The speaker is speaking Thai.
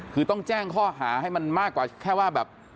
คือต้องแจ้งข้อหาให้มันมากกว่าแค่ว่าแบบ